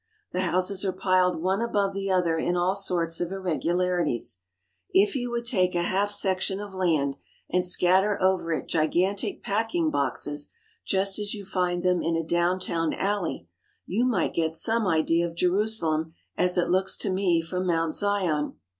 The houses are piled one above the other in all sorts of ir regularities. If you would take a half section of land and scatter over it gigantic packing boxes just as you find them in a down town alley, you might get some idea of Jerusalem as it looks to me from Mount Zion.